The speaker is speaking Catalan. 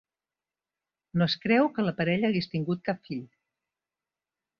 No es creu que la parella hagués tingut cap fill.